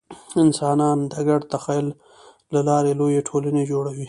انسانان د ګډ تخیل له لارې لویې ټولنې جوړوي.